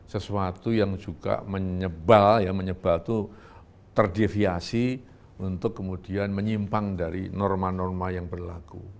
sesuatu yang juga menyebal ya menyebal itu terdeviasi untuk kemudian menyimpang dari norma norma yang berlaku